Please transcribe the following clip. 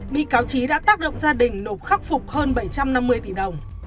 bị cáo trí đã tác động gia đình nộp khắc phục hơn bảy trăm năm mươi tỷ đồng